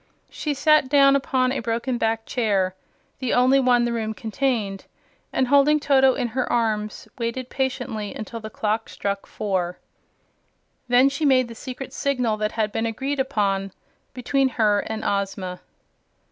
She sat down upon a broken backed chair the only one the room contained and holding Toto in her arms waited patiently until the clock struck four. Then she made the secret signal that had been agreed upon between her and Ozma.